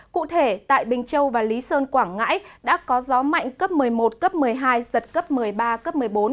cụ thể tại bình châu và lý sơn quảng ngãi đã có gió mạnh cấp một mươi một cấp một mươi hai giật cấp một mươi ba cấp một mươi bốn